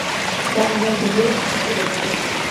دا عمل د نورو د ساتلو لپاره دی.